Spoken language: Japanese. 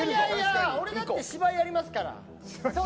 俺だって芝居やりますから。